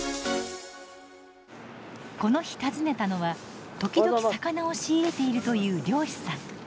この日訪ねたのは時々魚を仕入れているという漁師さん。